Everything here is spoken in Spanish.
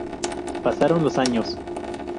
Pasaron los años.